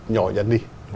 nhỏ dần đi